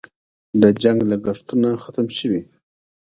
د جنګ لګښتونه ختم شوي؟